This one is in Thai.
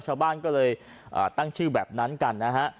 ชาวบ้านก็เลยตั้งชื่อแบบนั้นกันนะฮะ